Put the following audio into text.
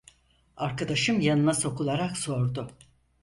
Arkadaşım yanına sokularak sordu.